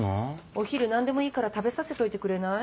お昼何でもいいから食べさせといてくれない？